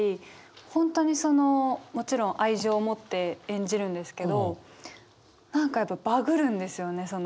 本当にそのもちろん愛情を持って演じるんですけど何かやっぱバグるんですよねその。